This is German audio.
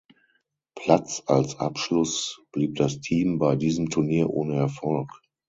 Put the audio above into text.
Platz als Abschluss blieb das Team bei diesem Turnier ohne Erfolg.